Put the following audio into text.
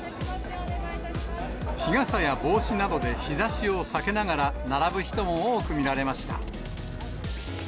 日傘や帽子などで日ざしを避けながら、並ぶ人も多く見られました。